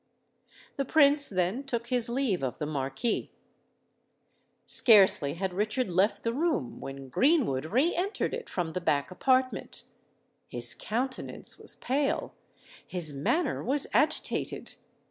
The Prince then took his leave of the Marquis. Scarcely had Richard left the room, when Greenwood re entered it from the back apartment. His countenance was pale—his manner was agitated.